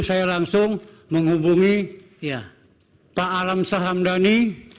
saya langsung menghubungi pak alam sahamdhani